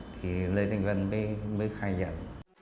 thì lê thanh vân mới khai nhận